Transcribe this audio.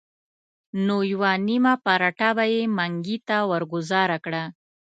نو یوه نیمه پراټه به یې منګي ته ورګوزاره کړه.